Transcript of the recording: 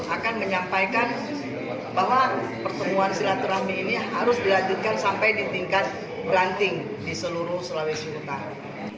akan menyampaikan bahwa pertemuan silaturahmi ini harus dilanjutkan sampai di tingkat beranting di seluruh sulawesi utara